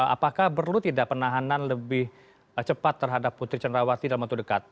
apakah perlu tidak penahanan lebih cepat terhadap putri cenrawati dalam waktu dekat